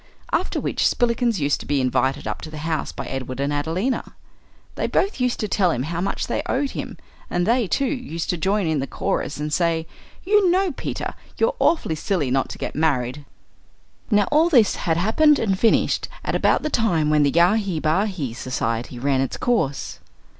After which Spillikins used to be invited up to the house by Edward and Adelina. They both used to tell him how much they owed him; and they, too, used to join in the chorus and say, "You know, Peter, you're awfully silly not to get married." Now all this had happened and finished at about the time when the Yahi Bahi Society ran its course.